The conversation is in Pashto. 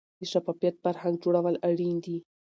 د شفافیت فرهنګ جوړول اړین دي